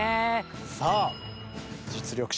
さあ実力者